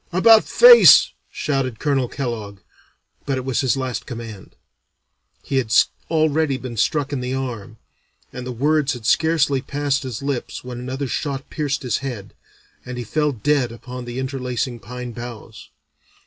'About face,' shouted Colonel Kellogg, but it was his last command. He had already been struck in the arm, and the words had scarcely passed his lips when another shot pierced his head, and he fell dead upon the interlacing pine boughs.